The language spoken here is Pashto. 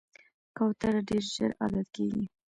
کوتره ډېر ژر عادت کېږي.